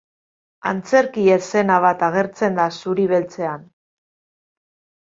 Antzerki eszena bat agertzen da zuri beltzean.